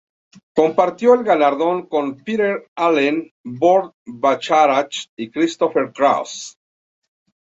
Compartió el galardón con Peter Allen, Burt Bacharach y Christopher Cross.